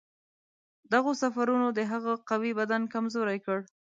دغو سفرونو د هغه قوي بدن کمزوری کړ.